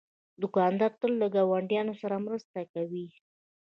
دوکاندار تل له ګاونډیانو سره مرسته کوي.